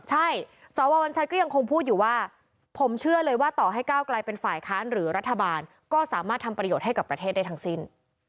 ใช่สววัญชัยก็ยังคงพูดอยู่ว่าผมเชื่อเลยว่าต่อให้ก้าวกลายเป็นฝ่ายค้านหรือรัฐบาลก็สามารถทำประโยชน์ให้กับประเทศได้ทั้งสิ้น